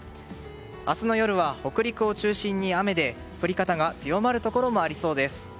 明日の夜は北陸を中心に雨で降り方が強まるところもありそうです。